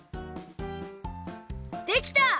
できた！